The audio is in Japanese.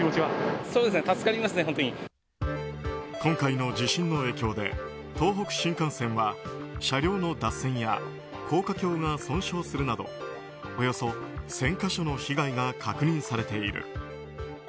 今回の地震の影響で東北新幹線は車両の脱線や高架橋が損傷するなどおよそ１０００か所の被害が確認されている。